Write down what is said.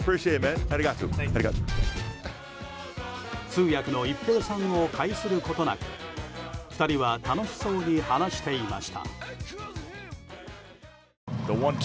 通訳の一平さんを介することなく２人は楽しそうに話していました。